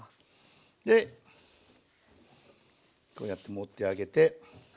でこうやって盛ってあげて。